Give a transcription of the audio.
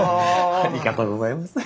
ありがとうございます。